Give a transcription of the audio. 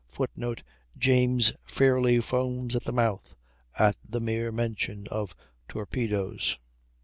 [Footnote: James fairly foams at the mouth at the mere mention of torpedoes.